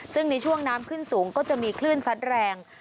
ซึ่งในช่วงน้ำขึ้นสูงก็จะมีคลื่นซัดแรง